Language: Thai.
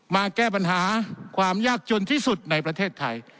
มาแก้ปัญหาความยากจนที่สุดในประเทศไทย